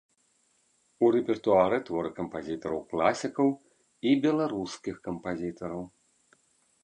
У рэпертуары творы кампазітараў-класікаў і беларускіх кампазітараў.